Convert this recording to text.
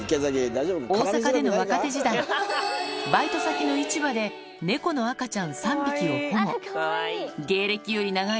大阪での若手時代、バイト先の市場で、猫の赤ちゃん３匹を保護。